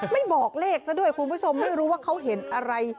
ไม่บอกเลขซะด้วยคุณผู้ชมไม่รู้ว่าเขาเห็นอะไร